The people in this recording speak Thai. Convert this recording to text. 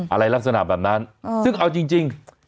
อะไรลักษณะแบบนั้นซึ่งเอาจริง